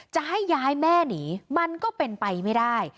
จะให้ย้ายแม่หนีมันก็เป็นไปไม่ได้